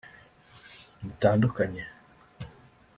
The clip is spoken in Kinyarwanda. mutandukanye